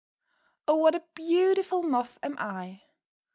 OH, what a beautiful Moth am I!